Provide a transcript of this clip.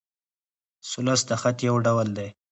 ثلث د خط؛ یو ډول دﺉ.